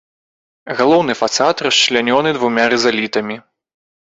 Галоўны фасад расчлянёны двума рызалітамі.